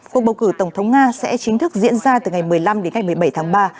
cuộc bầu cử tổng thống nga sẽ chính thức diễn ra từ ngày một mươi năm đến ngày một mươi bảy tháng ba